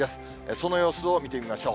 その様子を見てみましょう。